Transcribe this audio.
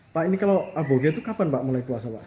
pak ini kalau abogea itu kapan pak mulai puasa pak